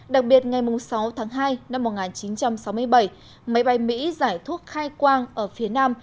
đặc biệt ngày sáu tháng hai năm một nghìn chín trăm sáu mươi bảy máy bay mỹ giải thuốc khai quang ở phía nam